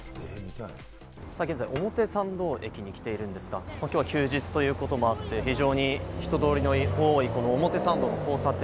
現在、表参道駅に来ているんですが、きょうは休日ということもあって、人通りの多い表参道の交差点。